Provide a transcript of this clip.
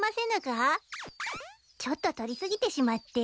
ちょっと採り過ぎてしまって。